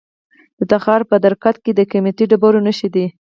د تخار په درقد کې د قیمتي ډبرو نښې دي.